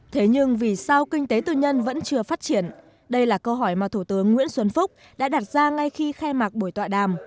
thế nhưng vì sao kinh tế tư nhân vẫn chưa phát triển đây là câu hỏi mà thủ tướng nguyễn xuân phúc đã đặt ra ngay khi khai mạc buổi tọa đàm